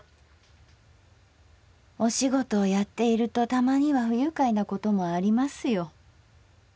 「お仕事をやっているとたまには不愉快なこともありますよ。